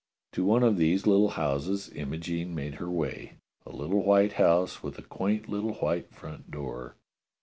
To one of these little houses WATCHBELL STREET 249 Imogene made her way, a little white house with a quaint little white front door.